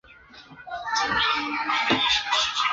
宋徽宗大观元年。